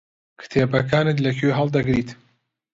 کتێبەکانت لەکوێ هەڵدەگریت؟